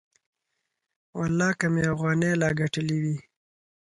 ولله که مې اوغانۍ لا گټلې وي.